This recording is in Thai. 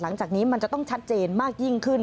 หลังจากนี้มันจะต้องชัดเจนมากยิ่งขึ้น